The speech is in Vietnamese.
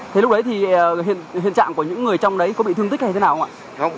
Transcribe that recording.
thế lúc đấy thì hiện trạng của những người trong đấy có bị thương tích hay thế nào không ạ